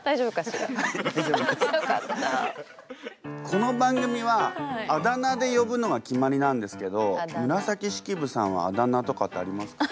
この番組はあだ名でよぶのが決まりなんですけど紫式部さんはあだ名とかってありますか？